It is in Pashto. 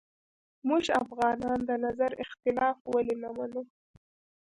موږ افغانان د نظر اختلاف ولې نه منو